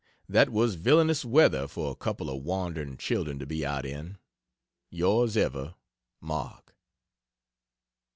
That was villainous weather for a couple of wandering children to be out in. Ys ever MARK.